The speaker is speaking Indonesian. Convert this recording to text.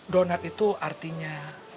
donat itu artinya